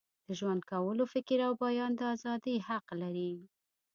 د ژوند کولو، فکر او بیان د ازادۍ حق لري.